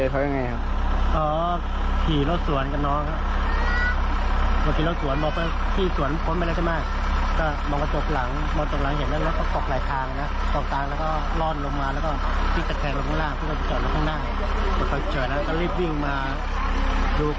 ผู้หญิงกี่มอเตยมาก็ให้หน้าผู้หญิงโดดแจ้งเจ้าพี่สมัย